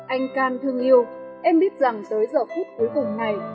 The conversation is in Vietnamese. anh can thương yêu em biết rằng tới giờ phút cuối cùng này